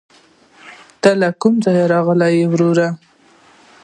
ته له کوم ځايه راغلې ؟ وروره